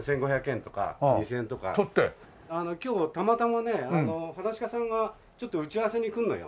今日たまたまね噺家さんがちょっと打ち合わせに来るのよ。